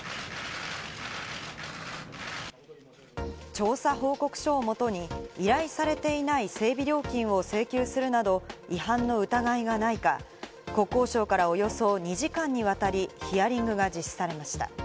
調査報告書をもとに、依頼されていない整備料金を請求するなど、違反の疑いがないか国交省からおよそ２時間にわたりヒアリングが実施されました。